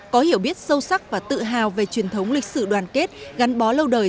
có hiểu biết sâu sắc và tự hào về truyền thống lịch sử đoàn kết gắn bó lâu đời